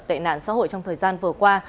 tệ nạn xã hội trong thời gian vừa qua